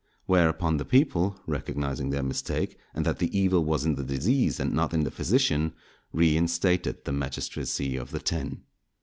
Whereupon, the people recognizing their mistake, and that the evil was in the disease and not in the physician, reinstated the magistracy of the Ten.